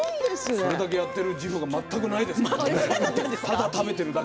それだけやっている自負が全くないですね。